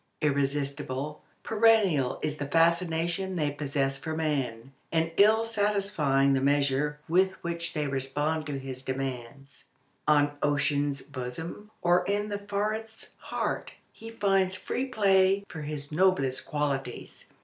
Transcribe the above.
Irresistible, perennial is the fascination they possess for man, and all satisfying the measure with which they respond to his demands. On ocean's bosom or in the forest's heart he finds free play for his noblest qualities.